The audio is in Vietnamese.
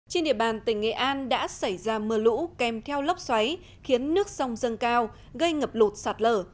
trên địa bàn tỉnh nghệ an đã xảy ra mưa lũ kèm theo lốc xoáy khiến nước sông dâng cao gây ngập lụt sạt lở